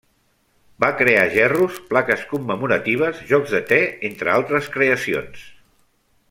Va crear gerros, plaques commemoratives, jocs de te, entre altres creacions.